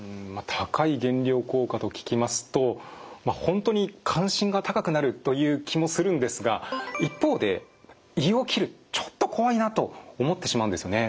高い減量効果と聞きますと本当に関心が高くなるという気もするんですが一方で胃を切るちょっと怖いなと思ってしまうんですよね。